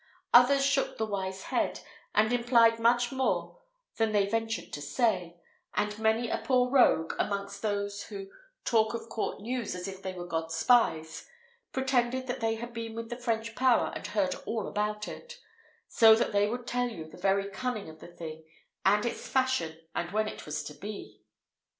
Others shook the wise head, and implied much more than they ventured to say; and many a poor rogue, amongst those who "talk of court news as if they were God's spies," pretended that they had been with the French power and heard all about it; so that they would tell you the very cunning of the thing, and its fashion, and when it was to be.